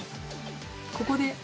ここで。